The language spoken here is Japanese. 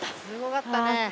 すごかったね。